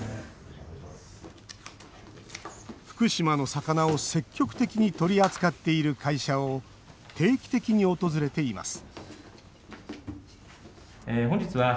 福島の魚を積極的に取り扱っている会社を定期的に訪れています